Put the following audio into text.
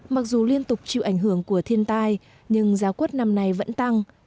mặc dù liên tục chịu ảnh hưởng của thiên tai nhưng giá quất năm nay vẫn tăng